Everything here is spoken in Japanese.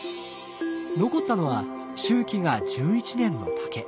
残ったのは周期が１１年の竹。